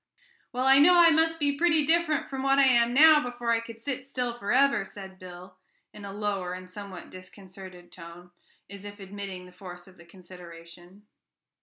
"Well, I know I must be pretty different from what I am now before I could sit still forever," said Bill in a lower and somewhat disconcerted tone, as if admitting the force of the consideration.